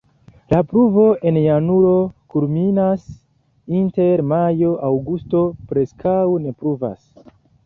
La pluvo en januaro kulminas, inter majo-aŭgusto preskaŭ ne pluvas.